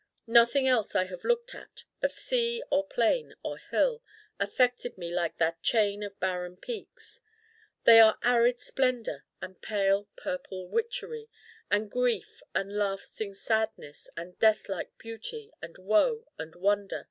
Nothing else I have looked at, of sea or plain or hill, affected me like that chain of barren peaks. They are arid splendor and pale purple witchery and grief and lasting sadness and deathlike beauty and woe and wonder.